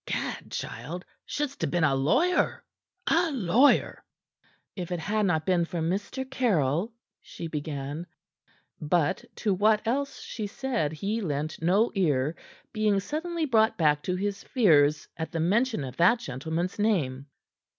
"Gad, child! Shouldst have been a lawyer! A lawyer!" "If it had not been for Mr. Caryll " she began, but to what else she said he lent no ear, being suddenly brought back to his fears at the mention of that gentleman's name.